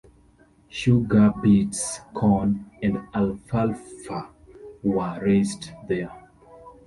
Sugar beets, corn, and alfalfa were raised there.